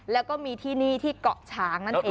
แล้วก็มีที่นี่ที่เกาะฉางนั่นเอง